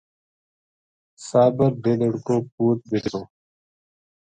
صابر دیدڑھ کو پُوت بے تھو